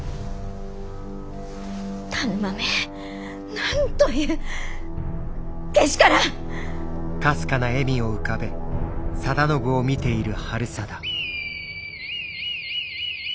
田沼めなんというけしからぬ！